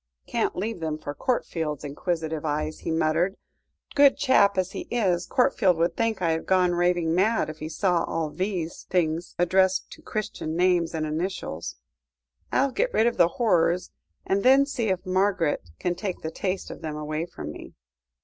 "Can't leave them for Courtfield's inquisitive eyes," he muttered. "Good chap as he is, Courtfield would think I had gone raving mad, if he saw all these things addressed to Christian names and initials. I'll get rid of the horrors, and then see if Margaret can take the taste of them away from me."